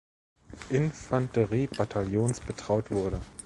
Infanteriebataillons betraut wurde.